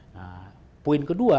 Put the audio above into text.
nah poin kedua